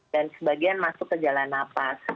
dan sebagian masuk ke jalan nafas